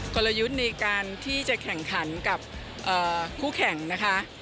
กลยุทธ์ในการที่จะแข่งขันกับคู่แข่งนะคะ